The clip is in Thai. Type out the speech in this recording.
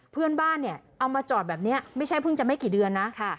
เพื่อนบ้านเนี่ยเอามาจอดแบบนี้ไม่ใช่เพิ่งจะไม่กี่เดือนนะ